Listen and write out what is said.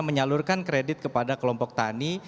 menyalurkan kredit kepada kelompok tani